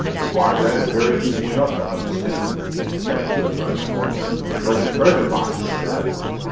"Why, that is very easy enough to understand," said the good reverend man. "'Twas a treasure box they buried!"